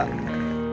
udah gak usah sedih